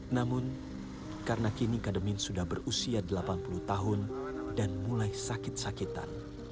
namun karena kini kademin sudah berusia delapan puluh tahun dan mulai sakit sakitan